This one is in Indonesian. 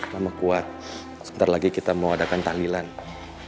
mama kuat sebentar lagi kita mau adakan tahlilan ya